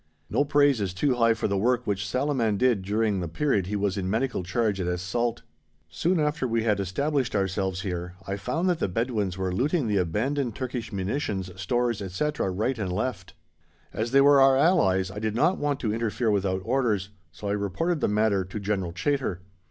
No praise is too high for the work which Salaman did during the period he was in Medical charge at Es Salt. Soon after we had established ourselves here I found that the Bedouins were looting the abandoned Turkish munitions, stores, etc., right and left; as they were our allies, I did not want to interfere without orders, so I reported the matter to General Chaytor.